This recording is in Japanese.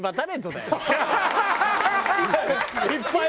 いっぱい。